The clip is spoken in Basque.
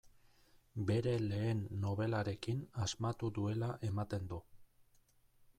Bere lehen nobelarekin asmatu duela ematen du.